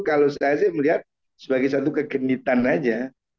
kalau saya sih melihat sebagai satu kegenitan aja